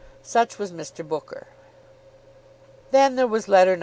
Such was Mr. Booker. Then there was letter No.